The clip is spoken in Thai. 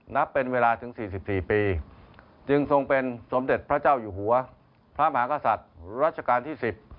นับเป็นเวลาถึง๔๔ปีจึงทรงเป็นสมเด็จพระเจ้าอยู่หัวพระมหากษัตริย์รัชกาลที่๑๐